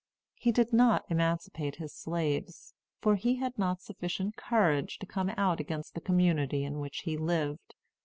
He did not emancipate his slaves; for he had not sufficient courage to come out against the community in which he lived.